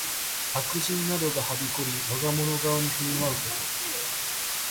悪人などがはびこり、我がもの顔に振る舞うこと。